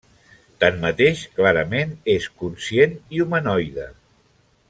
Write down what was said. Tanmateix, clarament és conscient i humanoide.